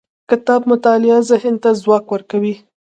د کتاب مطالعه ذهن ته ځواک ورکوي.